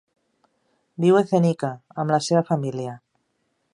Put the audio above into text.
Viu a Zenica amb la seva família.